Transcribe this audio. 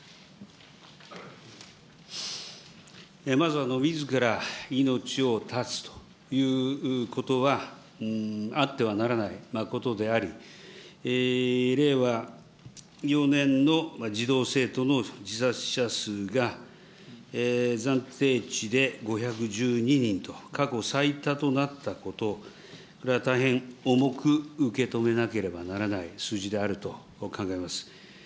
まずみずから命を絶つということは、あってはならないことであり、令和４年の児童・生徒の自殺者数が暫定値で５１２人と、最多となったこと、これは大変重く受け止めなければならない数字であると考えます。